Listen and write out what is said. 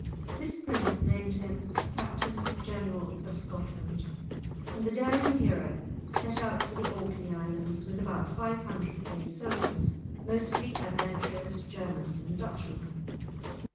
This prince named him Captain General of Scotland, and the daring hero set out for the Orkney Islands with about five hundred paid soldiers, mostly adventurous Germans and Dutchmen.